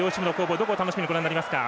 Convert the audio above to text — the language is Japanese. どこを楽しみにご覧になりますか？